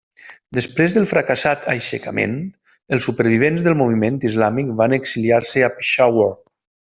Després del fracassat aixecament, els supervivents del moviment islàmic van exiliar-se a Peshawar.